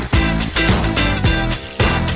จี้บีท่า